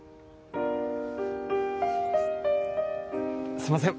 すいません。